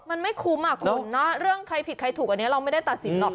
มันไม่คุ้มอ่ะคุณเนาะเรื่องใครผิดใครถูกอันนี้เราไม่ได้ตัดสินหรอก